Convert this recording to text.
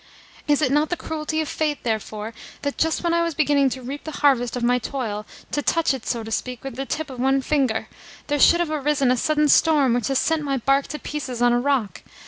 Is it not the cruelty of fate, therefore, that, just when I was beginning to reap the harvest of my toil to touch it, so to speak, with the tip of one finger there should have arisen a sudden storm which has sent my barque to pieces on a rock?